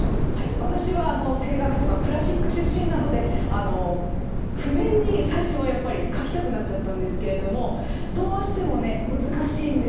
私は声楽とかクラシック出身なので譜面に最初はやっぱり書きたくなっちゃったんですけれどもどうしてもね難しいんですよ。